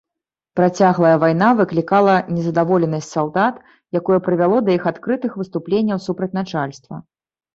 Працяглая вайна выклікала незадаволенасць салдат, якое прывяло да іх адкрытых выступленняў супраць начальства.